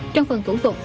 trong phần thủ tục